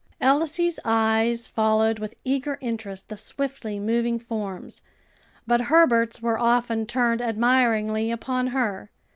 Elsie's eyes followed with eager interest the swiftly moving forms, but Herbert's were often turned admiringly upon her.